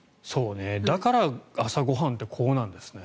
だから、朝ご飯ってこうなんですね。